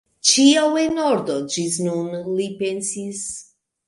Ĉio en ordo ĝis nun, li pensis.